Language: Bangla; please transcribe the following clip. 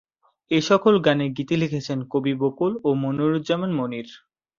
এসকল গানের গীতি লিখেছেন কবীর বকুল ও মনিরুজ্জামান মনির।